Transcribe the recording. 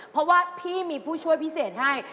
เพราะว่าพี่มีผู้ช่วยพิเศษให้